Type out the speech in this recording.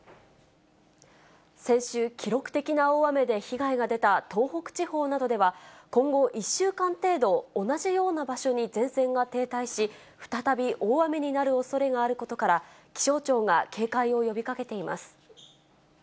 先週、記録的な大雨で被害が出た東北地方などでは、今後１週間程度、同じような場所に前線が停滞し、再び大雨になるおそれがあることから、気象庁が警戒を呼びかけています。